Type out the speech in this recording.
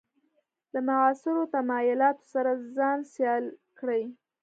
له معاصرو تمایلاتو سره ځان سیال کړي.